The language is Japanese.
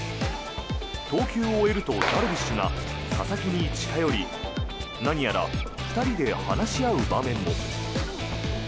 投球を終えるとダルビッシュが佐々木に近寄り何やら２人で話し合う場面も。